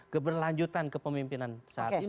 keberlanjutan kepemimpinan saat ini